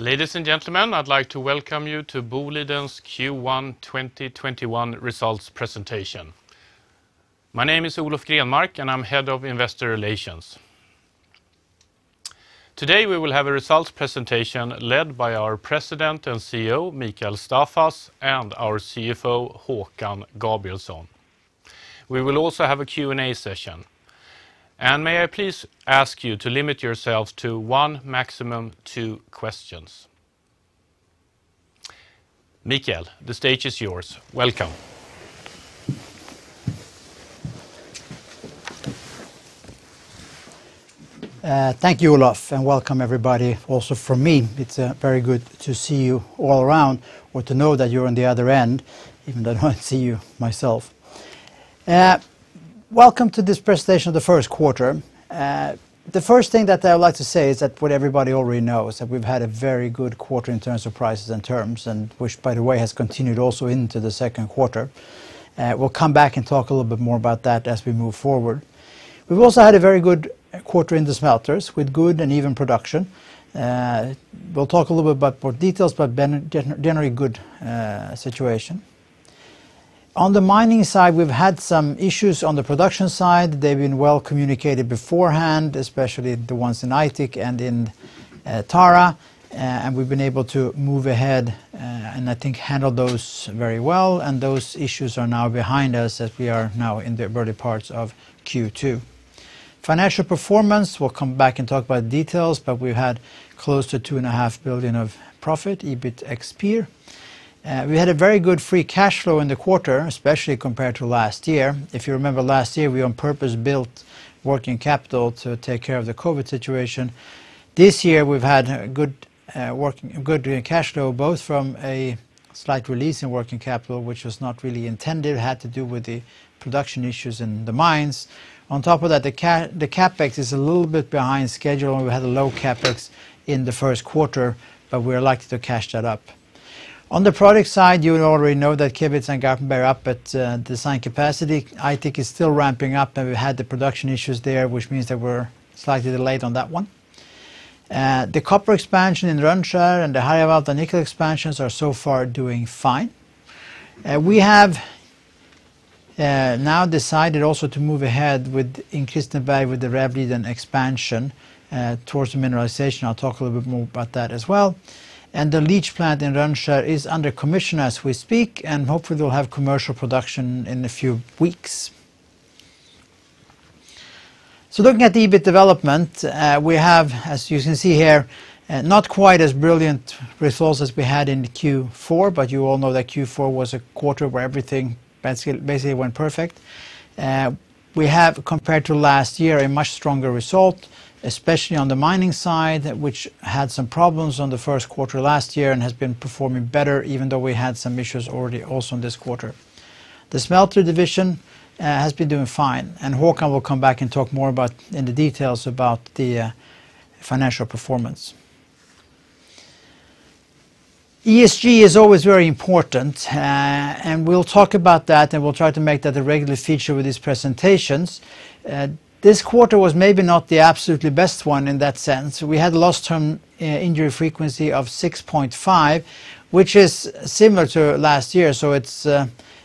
Ladies and gentlemen, I'd like to welcome you to Boliden's Q1 2021 results presentation. My name is Olof Grenmark, and I'm Head of Investor Relations. Today, we will have a results presentation led by our President and CEO, Mikael Staffas, and our CFO, Håkan Gabrielsson. We will also have a Q&A session. May I please ask you to limit yourselves to one, maximum two questions. Mikael, the stage is yours. Welcome. Thank you, Olof, and welcome everybody also from me. It's very good to see you all around or to know that you're on the other end, even though I don't see you myself. Welcome to this presentation of the first quarter. The first thing that I would like to say is that what everybody already knows that we've had a very good quarter in terms of prices and terms, and which, by the way, has continued also into the second quarter. We'll come back and talk a little bit more about that as we move forward. We've also had a very good quarter in the smelters with good and even production. We'll talk a little bit more details, but generally good situation. On the mining side, we've had some issues on the production side. They've been well communicated beforehand, especially the ones in Aitik and in Tara. We've been able to move ahead, and I think handle those very well, and those issues are now behind us as we are now in the early parts of Q2. Financial performance, we'll come back and talk about details, but we had close to 2.5 billion of profit, EBIT excl. PIR. We had a very good free cash flow in the quarter, especially compared to last year. If you remember last year, we on purpose built working capital to take care of the COVID situation. This year, we've had a good cash flow, both from a slight release in working capital, which was not really intended, had to do with the production issues in the mines. On top of that, the CapEx is a little bit behind schedule, and we had a low CapEx in the first quarter, but we're likely to catch that up. On the product side, you already know that Kevitsa and Garpenberg are up at design capacity. Aitik is still ramping up, and we had the production issues there, which means that we're slightly delayed on that one. The copper expansion in Rönnskär and the Harjavalta nickel expansions are so far doing fine. We have now decided also to move ahead in Kristineberg with the Rävliden expansion towards the mineralization. I'll talk a little bit more about that as well. The leach plant in Rönnskär is under commissioning as we speak, and hopefully we'll have commercial production in a few weeks. Looking at the EBIT development, we have, as you can see here, not quite as brilliant results as we had in Q4, but you all know that Q4 was a quarter where everything basically went perfect. We have, compared to last year, a much stronger result, especially on the mining side, which had some problems on the first quarter last year and has been performing better, even though we had some issues already also in this quarter. The smelter division has been doing fine, and Håkan will come back and talk more about in the details about the financial performance. ESG is always very important, and we'll talk about that, and we'll try to make that a regular feature with these presentations. This quarter was maybe not the absolutely best one in that sense. We had a lost time injury frequency of 6.5, which is similar to last year, so it's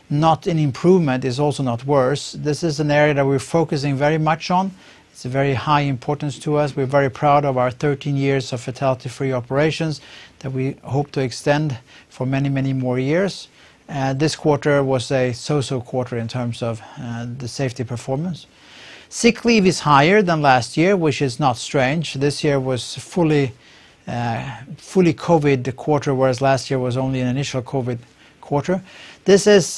not an improvement. It's also not worse. This is an area that we're focusing very much on. It's a very high importance to us. We're very proud of our 13 years of fatality-free operations that we hope to extend for many, many more years. This quarter was a so-so quarter in terms of the safety performance. Sick leave is higher than last year, which is not strange. This year was fully COVID quarter, whereas last year was only an initial COVID quarter. This is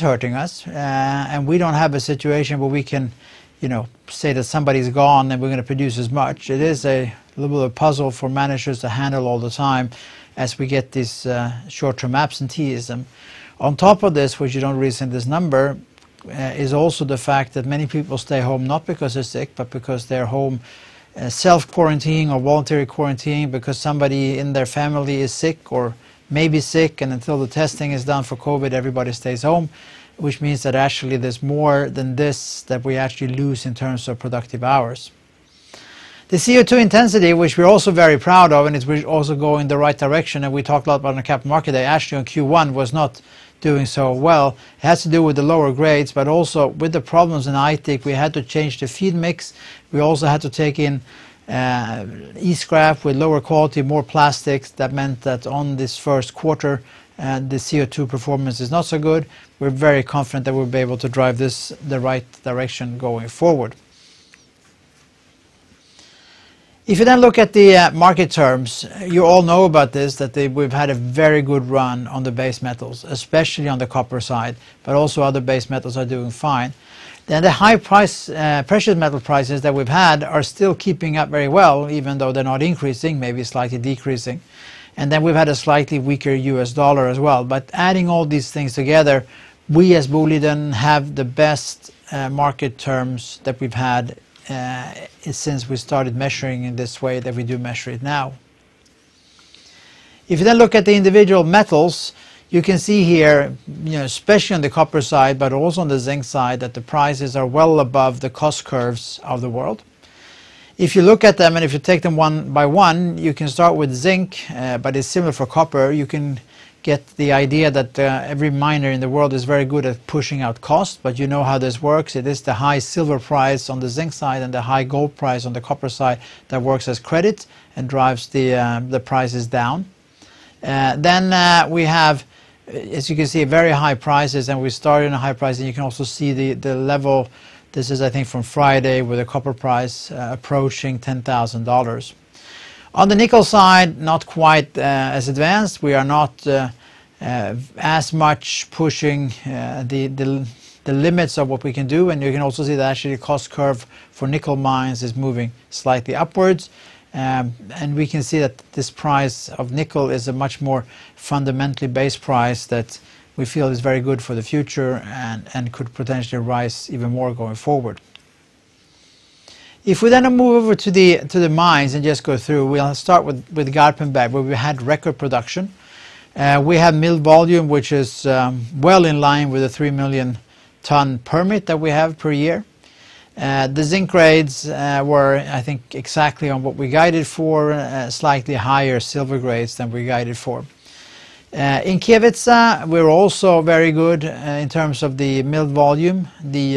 hurting us, and we don't have a situation where we can, you know, say that somebody's gone, and we're gonna produce as much. It is a little bit of a puzzle for managers to handle all the time as we get this short-term absenteeism. On top of this, which you don't see in this number, is also the fact that many people stay home not because they're sick, but because they're home, self-quarantining or voluntary quarantining because somebody in their family is sick or may be sick and until the testing is done for COVID, everybody stays home, which means that actually there's more than this that we actually lose in terms of productive hours. The CO2 intensity, which we're also very proud of, and it's also going in the right direction, and we talked a lot about on the Capital Markets Day, actually on Q1 was not doing so well. It has to do with the lower grades, but also with the problems in Aitik. We had to change the feed mix. We also had to take in e-scrap with lower quality, more plastics. That meant that in this first quarter, the CO2 performance is not so good. We're very confident that we'll be able to drive this the right direction going forward. If you then look at the market terms, you all know about this. We've had a very good run on the base metals, especially on the copper side, but also other base metals are doing fine. The high price precious metal prices that we've had are still keeping up very well, even though they're not increasing, maybe slightly decreasing. We've had a slightly weaker $ as well. Adding all these things together, we as Boliden have the best market terms that we've had since we started measuring in this way that we do measure it now. If you then look at the individual metals, you can see here, you know, especially on the copper side, but also on the zinc side, that the prices are well above the cost curves of the world. If you look at them, and if you take them one by one, you can start with zinc, but it's similar for copper. You can get the idea that every miner in the world is very good at pushing out cost, but you know how this works. It is the high silver price on the zinc side and the high gold price on the copper side that works as credit and drives the prices down. We have, as you can see, very high prices, and we started on a high price, and you can also see the level. This is, I think, from Friday with the copper price approaching $10,000. On the nickel side, not quite as advanced. We are not as much pushing the limits of what we can do, and you can also see that actually the cost curve for nickel mines is moving slightly upwards. We can see that this price of nickel is a much more fundamentally base price that we feel is very good for the future and could potentially rise even more going forward. If we move over to the mines and just go through, we'll start with Garpenberg, where we had record production. We had mill volume, which is, well in line with the 3 million ton permit that we have per year. The zinc grades were, I think, exactly on what we guided for, slightly higher silver grades than we guided for. In Kevitsa, we're also very good in terms of the mill volume. The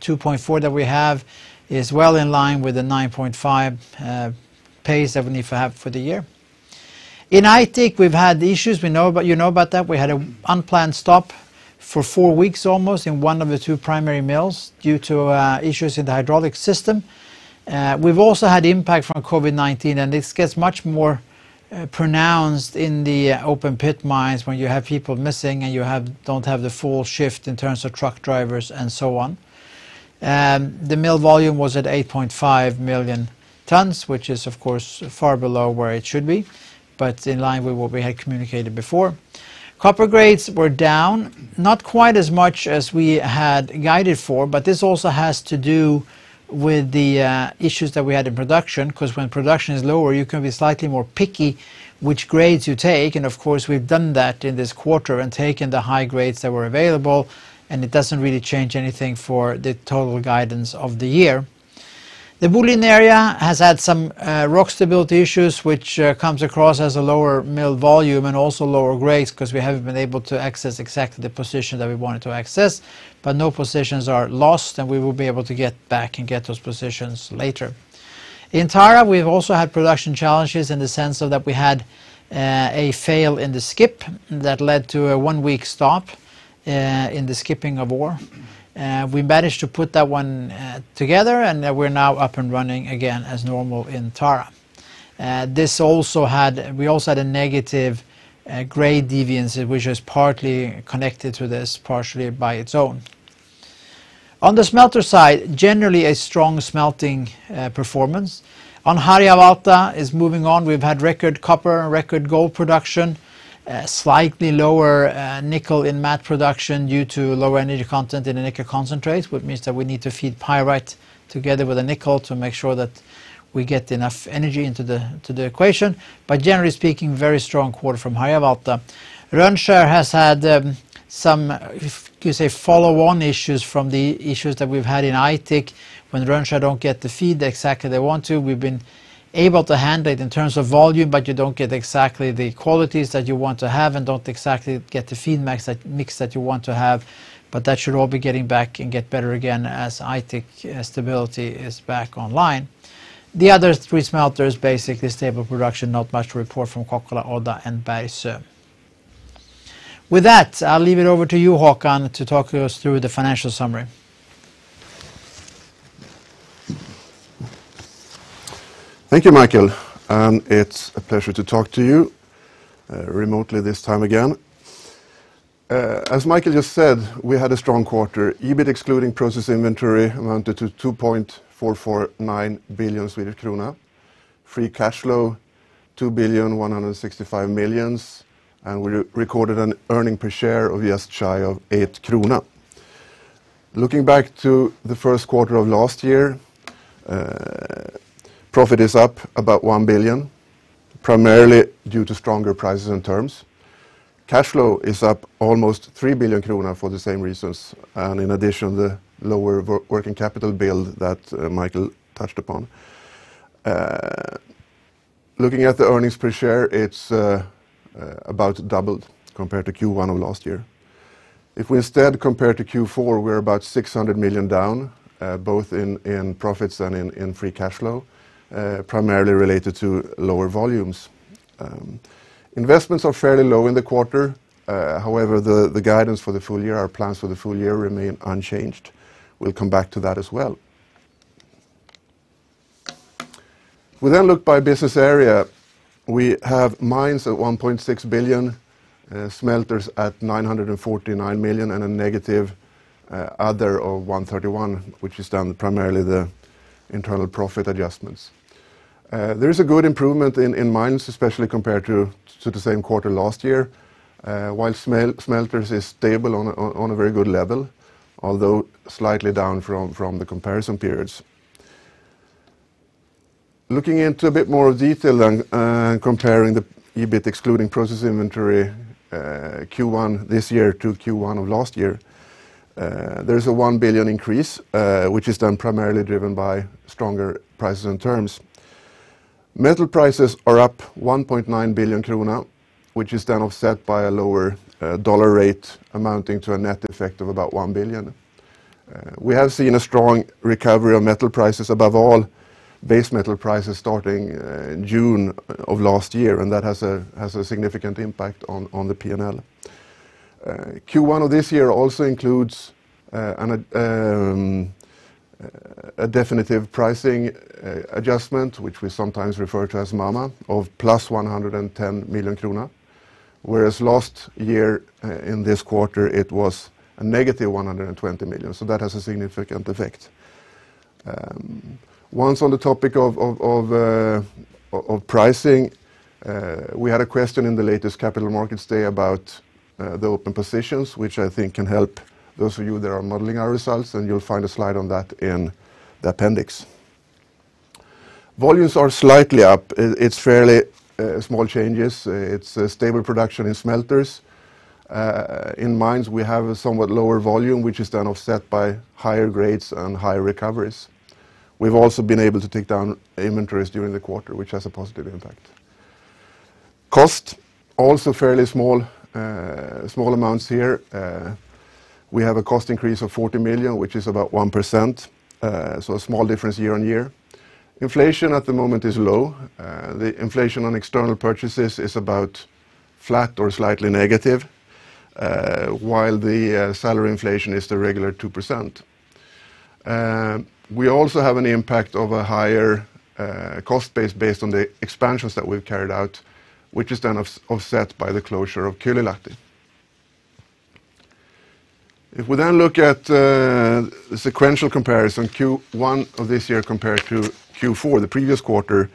2.4 that we have is well in line with the 9.5 pace that we need to have for the year. In Aitik, we've had issues. We know about that. You know about that. We had an unplanned stop for 4 weeks almost in one of the two primary mills due to issues in the hydraulic system. We've also had impact from COVID-19, and this gets much more pronounced in the open pit mines when you have people missing or you don't have the full shift in terms of truck drivers and so on. The mill volume was at 8.5 million tons, which is of course far below where it should be, but in line with what we had communicated before. Copper grades were down, not quite as much as we had guided for, but this also has to do with the issues that we had in production. 'Cause when production is lower, you can be slightly more picky which grades you take, and of course, we've done that in this quarter and taken the high grades that were available, and it doesn't really change anything for the total guidance of the year. The Boliden Area has had some rock stability issues, which comes across as a lower mill volume and also lower grades 'cause we haven't been able to access exactly the position that we wanted to access. No positions are lost, and we will be able to get back and get those positions later. In Tara, we've also had production challenges in the sense of that we had a fail in the skip that led to a 1-week stop in the skipping of ore. We managed to put that one together, and we're now up and running again as normal in Tara. We also had a negative grade deviance, which was partly connected to this, partly on its own. On the smelter side, generally a strong smelting performance. On Harjavalta, it's moving on. We've had record copper and record gold production. Slightly lower nickel in matte production due to lower energy content in the nickel concentrate, which means that we need to feed pyrite together with the nickel to make sure that we get enough energy into the equation. Generally speaking, very strong quarter from Harjavalta. Rönnskär has had some, you could say, follow-on issues from the issues that we've had in Aitik. When Rönnskär don't get the feed exactly they want to, we've been able to handle it in terms of volume, but you don't get exactly the qualities that you want to have and don't exactly get the feed mix that you want to have. That should all be getting back and get better again as Aitik stability is back online. The other three smelters, basically stable production, not much to report from Kokkola, Odda, and Bergsöe. With that, I'll leave it over to you, Håkan, to talk us through the financial summary. Thank you, Mikael, and it's a pleasure to talk to you remotely this time again. As Mikael just said, we had a strong quarter. EBIT excluding process inventory amounted to 2.449 billion Swedish krona. Free cash flow, 2.165 billion, and we recorded an earnings per share of just shy of 8 krona. Looking back to the first quarter of last year, profit is up about 1 billion, primarily due to stronger prices and terms. Cash flow is up almost 3 billion kronor for the same reasons and in addition, the lower working capital build that Mikael touched upon. Looking at the earnings per share, it's about doubled compared to Q1 of last year. If we instead compare to Q4, we're about 600 million down, both in profits and in free cash flow, primarily related to lower volumes. Investments are fairly low in the quarter. However, the guidance for the full year, our plans for the full year remain unchanged. We'll come back to that as well. We look by business area. We have mines at 1.6 billion, smelters at 949 million, and a negative other of 131 million, which is driven primarily by the internal profit adjustments. There is a good improvement in mines, especially compared to the same quarter last year, while smelters is stable on a very good level, although slightly down from the comparison periods. Looking into a bit more detail and comparing the EBIT excluding process inventory, Q1 this year to Q1 of last year, there's a 1 billion increase, which is then primarily driven by stronger prices and terms. Metal prices are up 1.9 billion krona, which is then offset by a lower dollar rate amounting to a net effect of about 1 billion. We have seen a strong recovery of metal prices, above all base metal prices starting in June of last year, and that has a significant impact on the P&L. Q1 of this year also includes a definitive pricing adjustment, which we sometimes refer to as MAMA, of +110 million krona. Whereas last year in this quarter, it was a -120 million. That has a significant effect. Once on the topic of pricing, we had a question in the latest Capital Markets Day about the open positions, which I think can help those of you that are modeling our results, and you'll find a slide on that in the appendix. Volumes are slightly up. It's fairly small changes. It's a stable production in smelters. In mines, we have a somewhat lower volume, which is then offset by higher grades and higher recoveries. We've also been able to take down inventories during the quarter, which has a positive impact. Costs are also fairly small amounts here. We have a cost increase of 40 million, which is about 1%, so a small difference year-on-year. Inflation at the moment is low. The inflation on external purchases is about flat or slightly negative, while the salary inflation is the regular 2%. We also have an impact of a higher cost base based on the expansions that we've carried out, which is then offset by the closure of Kylylahti. If we then look at the sequential comparison, Q1 of this year compared to Q4, the previous quarter,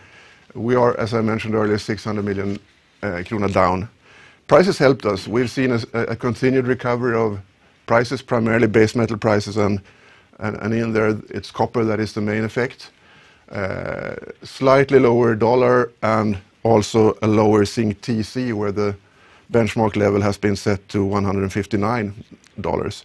we are, as I mentioned earlier, 600 million krona down. Prices helped us. We've seen a continued recovery of prices, primarily base metal prices and in there it's copper that is the main effect. Slightly lower dollar and also a lower zinc TC, where the benchmark level has been set to $159.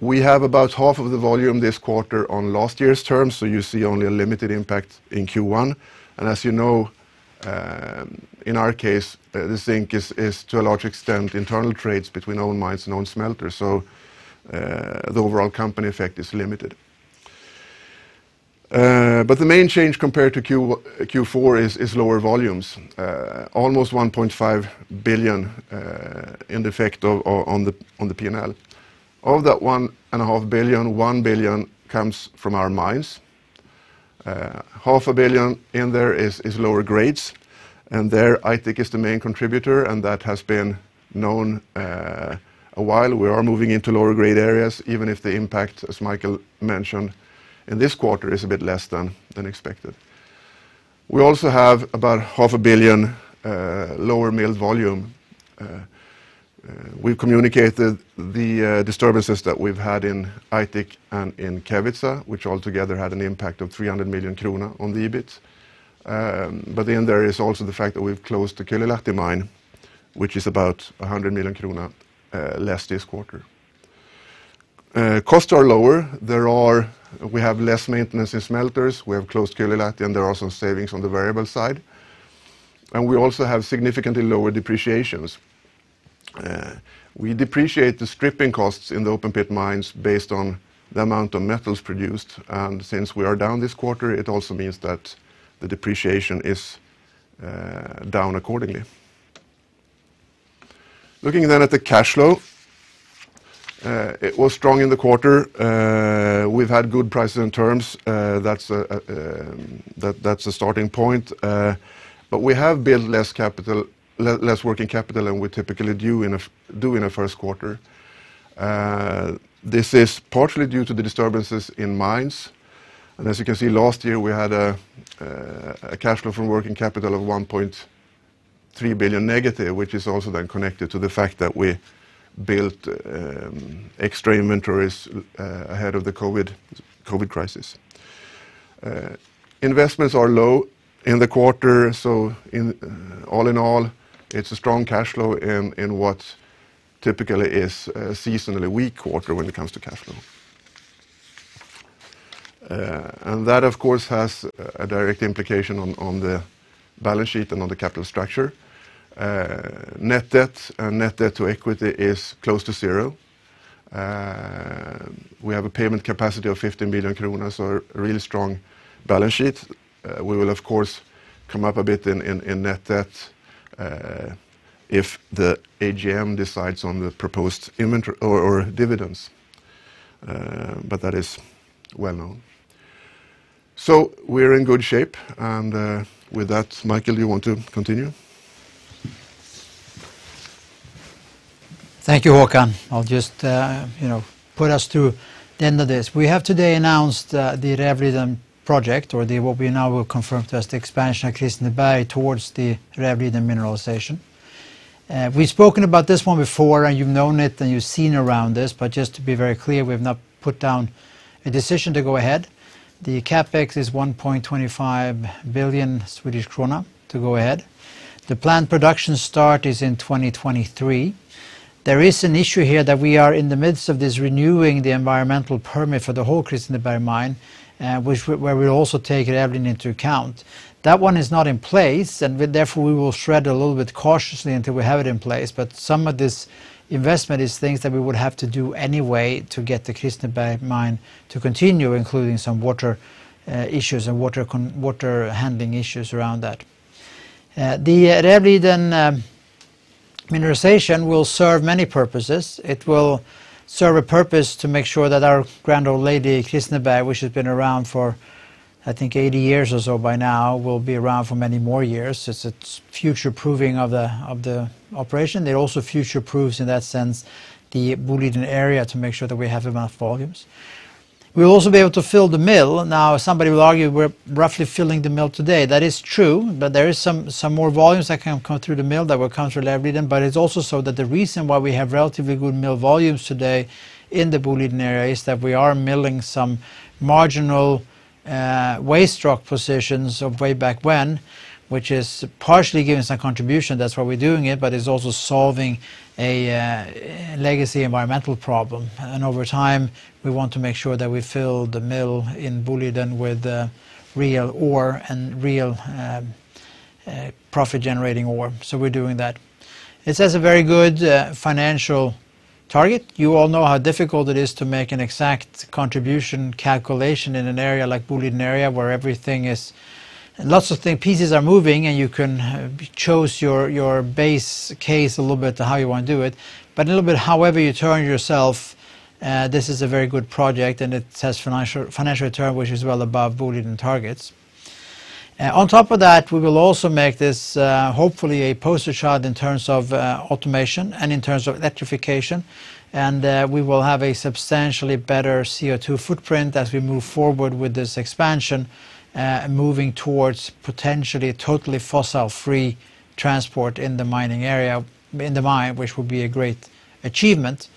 We have about half of the volume this quarter on last year's terms, so you see only a limited impact in Q1. As you know, in our case, the zinc is to a large extent internal trades between own mines and own smelters. The overall company effect is limited. The main change compared to Q4 is lower volumes. Almost 1.5 billion in the effect on the P&L. Of that 1.5 billion, 1 billion comes from our mines. Half a billion in there is lower grades, and Aitik is the main contributor, and that has been known a while. We are moving into lower grade areas, even if the impact, as Mikael mentioned, in this quarter is a bit less than expected. We also have about half a billion lower mill volume. We've communicated the disturbances that we've had in Aitik and in Kevitsa, which altogether had an impact of 300 million krona on the EBIT. There is also the fact that we've closed the Kylylahti mine, which is about 100 million krona less this quarter. Costs are lower. We have less maintenance in smelters. We have closed Kylylahti, and there are some savings on the variable side. We also have significantly lower depreciations. We depreciate the stripping costs in the open pit mines based on the amount of metals produced. Since we are down this quarter, it also means that the depreciation is down accordingly. Looking at the cash flow, it was strong in the quarter. We've had good prices and terms. That's a starting point. But we have built less working capital than we typically do in a first quarter. This is partially due to the disturbances in mines. As you can see, last year we had a cash flow from working capital of -1.3 billion, which is also connected to the fact that we built extra inventories ahead of the COVID crisis. Investments are low in the quarter, so all in all, it's a strong cash flow in what typically is a seasonally weak quarter when it comes to cash flow. That of course has a direct implication on the balance sheet and on the capital structure. Net debt to equity is close to zero. We have a payment capacity of 15 billion kronor, so a really strong balance sheet. We will of course come up a bit in net debt if the AGM decides on the proposed dividends. That is well-known. We're in good shape. With that, Mikael, you want to continue? Thank you, Håkan. I'll just put us to the end of this. We have today announced the Rävliden Project, or what we now will refer to as the expansion of Kristineberg towards the Rävliden mineralization. We've spoken about this one before, and you've known it, and you've seen around this, but just to be very clear, we've not put down a decision to go ahead. The CapEx is 1.25 billion Swedish krona to go ahead. The planned production start is in 2023. There is an issue here that we are in the midst of renewing the environmental permit for the whole Kristineberg mine, which where we'll also take everything into account. That one is not in place, and therefore we will tread a little bit cautiously until we have it in place. Some of this investment is things that we would have to do anyway to get the Kristineberg mine to continue, including some water issues and water handling issues around that. The Rävliden mineralization will serve many purposes. It will serve a purpose to make sure that our grand old lady, Kristineberg, which has been around for, I think, 80 years or so by now, will be around for many more years. It's a future-proofing of the operation. It also future-proofs in that sense the Boliden area to make sure that we have enough volumes. We'll also be able to fill the mill. Now, somebody will argue we're roughly filling the mill today. That is true, but there is some more volumes that can come through the mill that will come through Rävliden, but it's also so that the reason why we have relatively good mill volumes today in the Boliden area is that we are milling some marginal waste rock positions of way back when, which is partially giving some contribution. That's why we're doing it, but it's also solving a legacy environmental problem. Over time, we want to make sure that we fill the mill in Boliden with real ore and real profit-generating ore. We're doing that. It sets a very good financial target. You all know how difficult it is to make an exact contribution calculation in an area like Boliden Area where everything is lots of things, pieces are moving, and you can choose your base case a little bit to how you want to do it. A little bit however you turn yourself, this is a very good project, and it sets financial return which is well above Boliden targets. On top of that, we will also make this hopefully a poster child in terms of automation and in terms of electrification. We will have a substantially better CO2 footprint as we move forward with this expansion, moving towards potentially totally fossil-free transport in the mining area, in the mine, which would be a great achievement.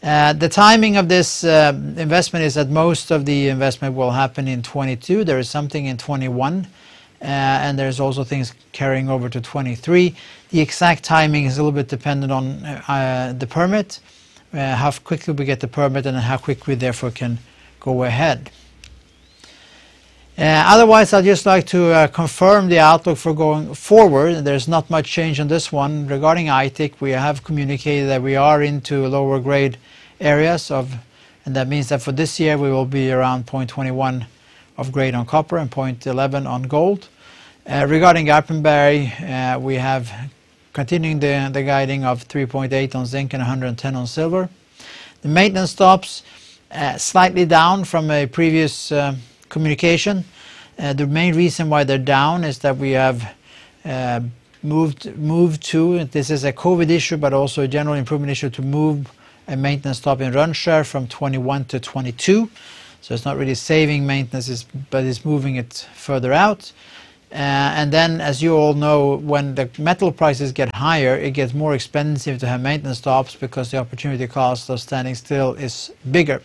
The timing of this investment is that most of the investment will happen in 2022. There is something in 2021. There's also things carrying over to 2023. The exact timing is a little bit dependent on the permit, how quickly we get the permit and how quickly therefore can go ahead. Otherwise, I'd just like to confirm the outlook for going forward. There's not much change on this one. Regarding Aitik, we have communicated that we are into lower grade areas and that means that for this year we will be around 0.21 grade on copper and 0.11 on gold. Regarding Garpenberg, we have continuing the guiding of 3.8 on zinc and 110 on silver. The maintenance stops slightly down from a previous communication. The main reason why they're down is that we have moved to this is a COVID issue, but also a general improvement issue to move a maintenance stop in Rönnskär from 2021 to 2022. It's not really saving maintenance, but it's moving it further out. Then as you all know, when the metal prices get higher, it gets more expensive to have maintenance stops because the opportunity cost of standing still is bigger.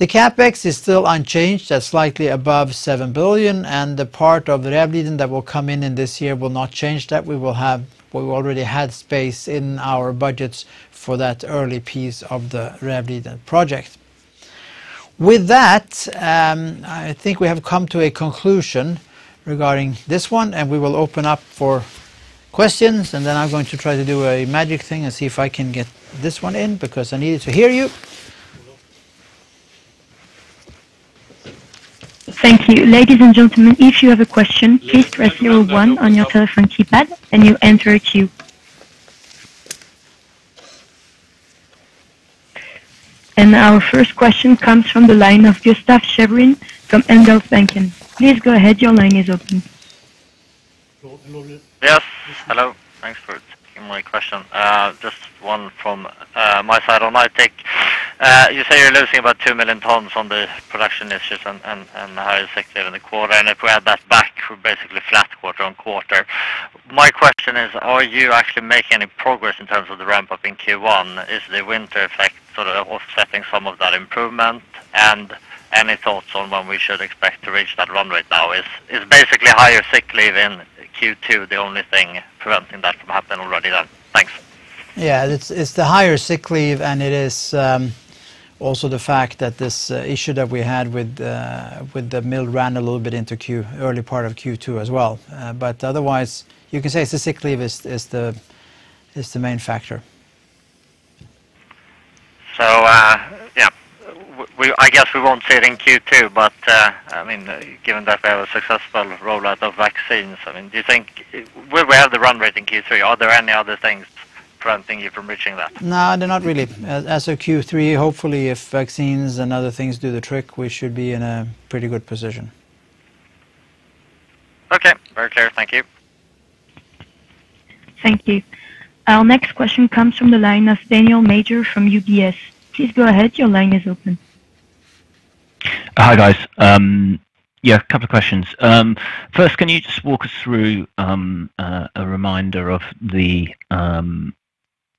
The CapEx is still unchanged. That's slightly above 7 billion. The part of Rävliden that will come in this year will not change that. We already had space in our budgets for that early piece of the Rävliden project. With that, I think we have come to a conclusion regarding this one, and we will open up for questions, and then I'm going to try to do a magic thing and see if I can get this one in because I needed to hear you. Thank you. Ladies and gentlemen, if you have a question, please press zero one on your telephone keypad, and you enter a queue. Our first question comes from the line of Gustaf Schwerin from Handelsbanken. Please go ahead, your line is open. Yes. Hello. Thanks for taking my question. Just one from my side on Aitik. You say you're losing about 2 million tons on the production issues and the higher sick leave in the quarter, and if we add that back, we're basically flat quarter-over-quarter. My question is, are you actually making any progress in terms of the ramp-up in Q1? Is the winter effect sort of offsetting some of that improvement? And any thoughts on when we should expect to reach that run rate now? Is basically higher sick leave in Q2 the only thing preventing that from happening already then? Thanks. It's the higher sick leave, and it is also the fact that this issue that we had with the mill ran a little bit into early part of Q2 as well. Otherwise, you can say it's the sick leave is the main factor. Yeah. I guess we won't see it in Q2, but I mean, given that we have a successful rollout of vaccines, I mean, will we have the run rate in Q3? Are there any other things preventing you from reaching that? No, they're not really. As of Q3, hopefully if vaccines and other things do the trick, we should be in a pretty good position. Okay. Very clear. Thank you. Thank you. Our next question comes from the line of Daniel Major from UBS. Please go ahead, your line is open. Hi guys. Yeah, a couple of questions. First, can you just walk us through a reminder of the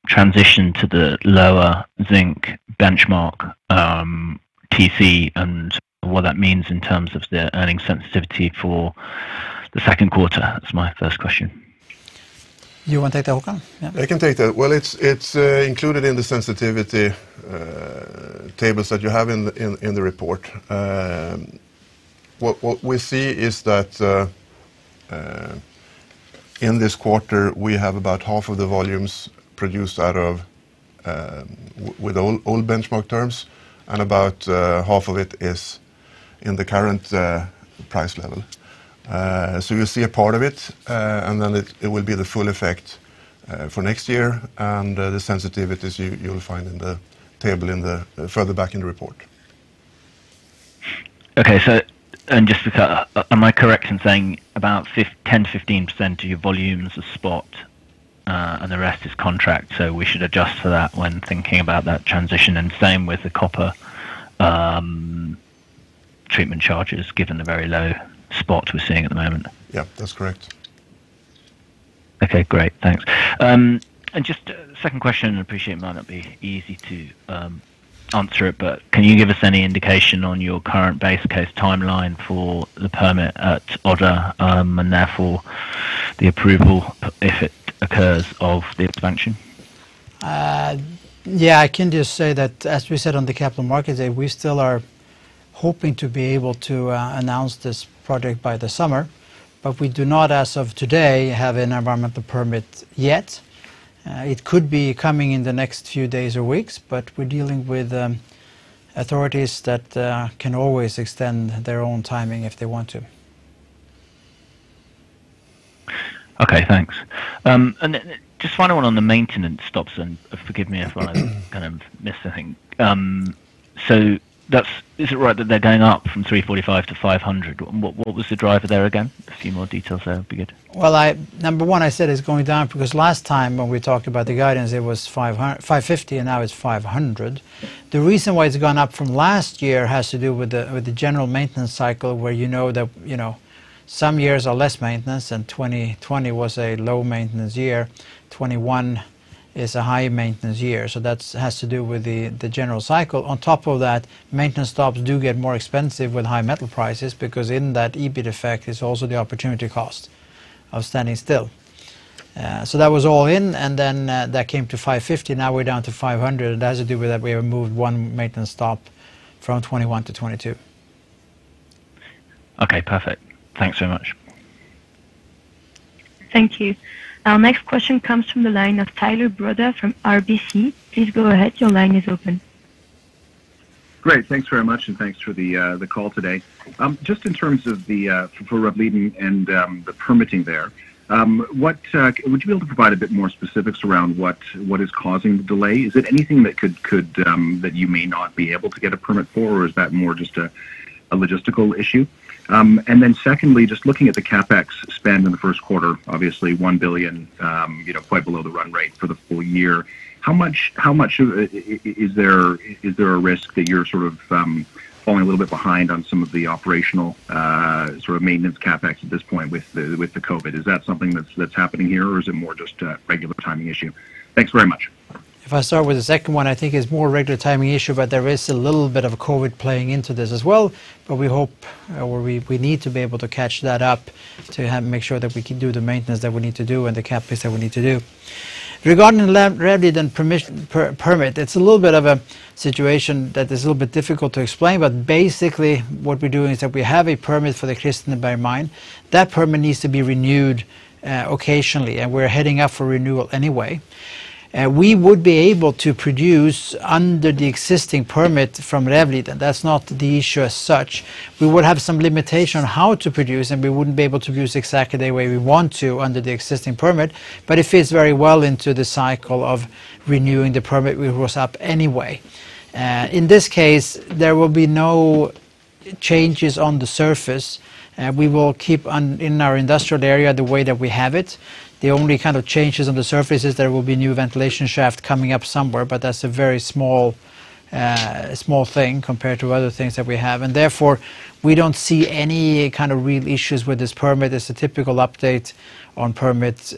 transition to the lower zinc benchmark TC and what that means in terms of the earnings sensitivity for the second quarter? That's my first question. You wanna take that Håkan? Yeah. I can take that. Well, it's included in the sensitivity tables that you have in the report. What we see is that in this quarter we have about half of the volumes produced out of with old benchmark terms and about half of it is in the current price level. You'll see a part of it, and then it will be the full effect for next year. The sensitivities you'll find in the table further back in the report. Am I correct in saying about 15% of your volumes are spot, and the rest is contract, so we should adjust for that when thinking about that transition and same with the copper treatment charges given the very low spot we're seeing at the moment? Yeah, that's correct. Okay, great. Thanks. Just second question, I appreciate it might not be easy to answer it, but can you give us any indication on your current base case timeline for the permit at Odda, and therefore the approval if it occurs of the expansion? I can just say that as we said on the Capital Markets Day, we still are hoping to be able to announce this project by the summer. We do not, as of today, have an environmental permit yet. It could be coming in the next few days or weeks, but we're dealing with authorities that can always extend their own timing if they want to. Okay, thanks. Just final one on the maintenance stops and forgive me if I kind of missed anything. That's. Is it right that they're going up from 345 to 500? What was the driver there again? A few more details there would be good. Well, number one I said it's going down because last time when we talked about the guidance it was 550 and now it's 500. The reason why it's gone up from last year has to do with the general maintenance cycle where you know that, you know, some years are less maintenance and 2020 was a low maintenance year. 2021 is a high maintenance year, so that has to do with the general cycle. On top of that, maintenance stops do get more expensive with high metal prices because in that EBIT effect is also the opportunity cost of standing still. That was all in and then that came to 550, now we're down to 500. It has to do with that we have moved one maintenance stop from 2021 to 2022. Okay, perfect. Thanks very much. Thank you. Our next question comes from the line of Tyler Broda from RBC. Please go ahead. Your line is open. Great. Thanks very much and thanks for the call today. Just in terms of the for Rävliden and the permitting there, what would you be able to provide a bit more specifics around what is causing the delay? Is it anything that could that you may not be able to get a permit for or is that more just a logistical issue? Secondly, just looking at the CapEx spend in the first quarter, obviously 1 billion, you know, quite below the run rate for the full year. How much is there a risk that you're sort of falling a little bit behind on some of the operational sort of maintenance CapEx at this point with the COVID? Is that something that's happening here or is it more just a regular timing issue? Thanks very much. If I start with the second one, I think it's more a regular timing issue, but there is a little bit of COVID playing into this as well. We need to be able to catch that up to make sure that we can do the maintenance that we need to do and the CapEx that we need to do. Regarding the Rävliden permit, it's a little bit of a situation that is a little bit difficult to explain. Basically what we're doing is that we have a permit for the Kristineberg mine. That permit needs to be renewed, occasionally and we're heading up for renewal anyway. We would be able to produce under the existing permit from Rävliden. That's not the issue as such. We would have some limitation on how to produce and we wouldn't be able to produce exactly the way we want to under the existing permit, but it fits very well into the cycle of renewing the permit we was up anyway. In this case there will be no changes on the surface. We will keep on in our industrial area the way that we have it. The only kind of changes on the surface is there will be new ventilation shaft coming up somewhere but that's a very small thing compared to other things that we have and therefore we don't see any kind of real issues with this permit. It's a typical update on permits.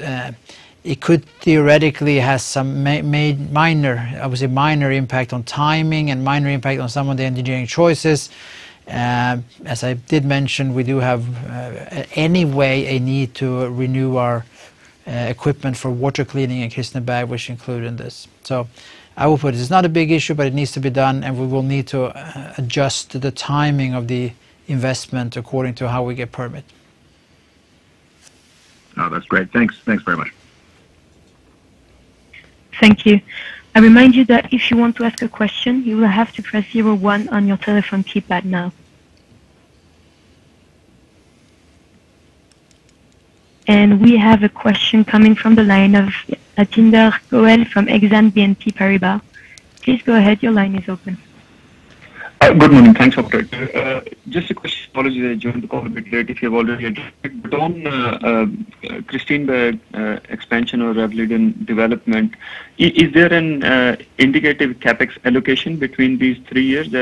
It could theoretically have some minor, obviously minor impact on timing and minor impact on some of the engineering choices. As I did mention, we do have anyway a need to renew our equipment for water cleaning in Kristineberg, which include in this. I will put it's not a big issue, but it needs to be done and we will need to adjust the timing of the investment according to how we get permit. No, that's great. Thanks. Thanks very much. Thank you. I remind you that if you want to ask a question you will have to press zero one on your telephone keypad now. We have a question coming from the line of [Hachinda Luanne] from Exane BNP Paribas. Please go ahead, your line is open. Good morning. Thanks, operator. Just a question. Apologies I joined the call a bit late if you have already addressed it. On Kristineberg expansion or Rävliden development, is there an indicative CapEx allocation between these 3 years?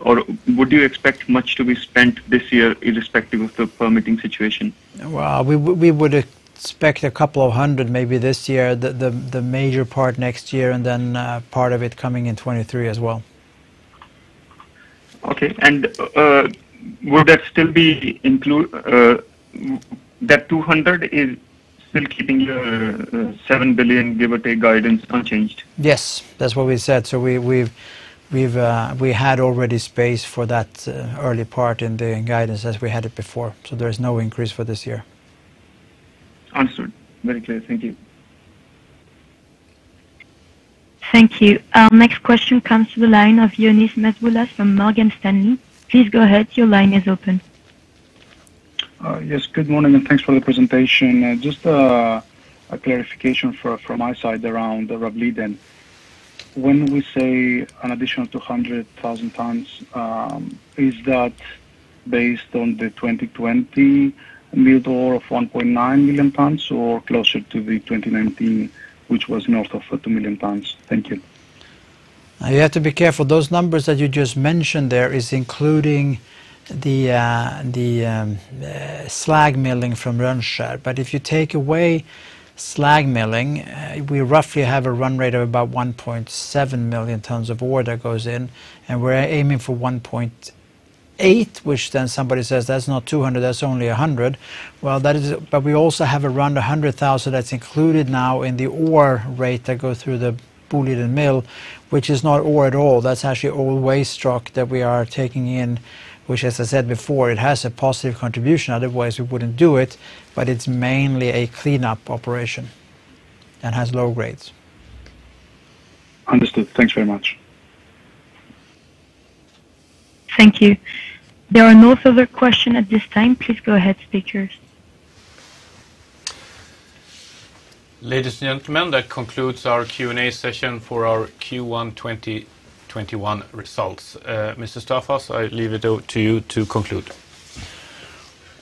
Or would you expect much to be spent this year irrespective of the permitting situation? Well, we would expect a couple of hundred maybe this year, the major part next year, and then part of it coming in 2023 as well. Okay. Would that still be that 200 is still keeping your 7 billion give or take guidance unchanged? Yes. That's what we said. We had already priced for that early part in the guidance as we had it before. There's no increase for this year. Understood. Very clear. Thank you. Thank you. Our next question comes to the line of Ioannis Masvoulas from Morgan Stanley. Please go ahead. Your line is open. Yes, good morning, and thanks for the presentation. Just a clarification from my side around Rävliden. When we say an additional 200,000 tons, is that based on the 2020 milled ore of 1.9 million tons or closer to the 2019, which was north of 2 million tons? Thank you. You have to be careful. Those numbers that you just mentioned there is including the slag milling from Rönnskär. If you take away slag milling, we roughly have a run rate of about 1.7 million tons of ore that goes in, and we're aiming for 1.8, which then somebody says, "That's not 200. That's only a hundred." Well, that is. We also have around 100,000 that's included now in the ore rate that go through the Boliden mill, which is not ore at all. That's actually all waste rock that we are taking in, which, as I said before, it has a positive contribution, otherwise we wouldn't do it, but it's mainly a cleanup operation and has low grades. Understood. Thanks very much. Thank you. There are no further questions at this time. Please go ahead, speakers. Ladies and gentlemen, that concludes our Q&A session for our Q1 2021 results. Mr. Staffas, I leave it up to you to conclude.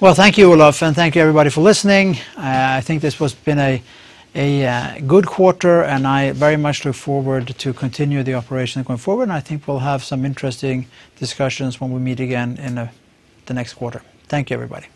Well, thank you, Olof, and thank you, everybody, for listening. I think this has been a good quarter, and I very much look forward to continue the operation going forward, and I think we'll have some interesting discussions when we meet again in the next quarter. Thank you, everybody.